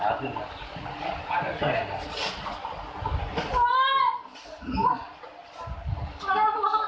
ระวังข้าขึ้น